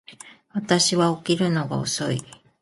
私は起きるのが遅い